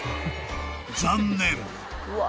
［残念］